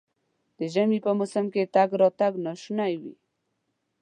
د ژمي په موسم کې تګ راتګ ناشونی وي.